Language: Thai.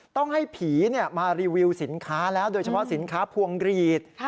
ต้องให้ผีมารีวิวสินค้าแล้วโดยเฉพาะสินค้าพวงกรีด